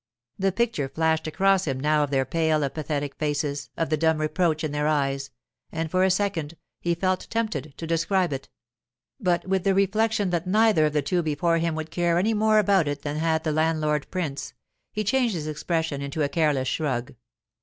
The picture flashed across him now of their pale, apathetic faces, of the dumb reproach in their eyes, and for a second he felt tempted to describe it. But with the reflection that neither of the two before him would care any more about it than had the landlord prince, he changed his expression into a careless shrug.